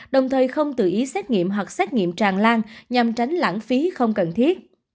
đồng thời không tự ý xét nghiệm hoặc xét nghiệm tràn lan nhằm tránh lãng phí không cần thiết